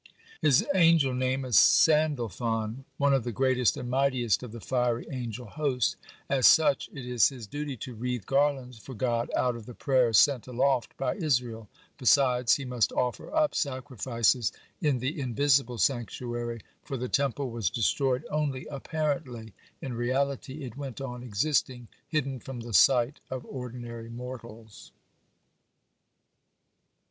(39) His angel name is Sandalphon, (40) one of the greatest and mightiest of the fiery angel host. As such it is his duty to wreathe garlands for God out of the prayers sent aloft by Israel. (41) Besides, he must offer up sacrifices in the invisible sanctuary, for the Temple was destroyed only apparently; in reality, it went on existing, hidden from the sight of ordinary mortals.